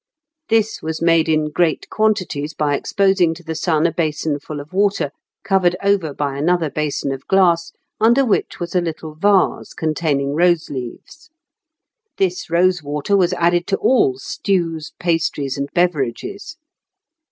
This was made in great quantities by exposing to the sun a basin full of water, covered over by another basin of glass, under which was a little vase containing rose leaves. This rose water was added to all stews, pastries, and beverages.